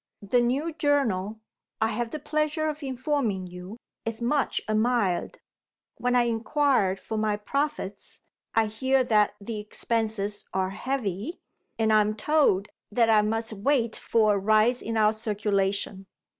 The new journal, I have the pleasure of informing you, is much admired. When I inquire for my profits, I hear that the expenses are heavy, and I am told that I must wait for a rise in our circulation.